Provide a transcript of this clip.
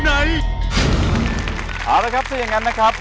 เอาละครับถ้าอย่างนั้นนะครับ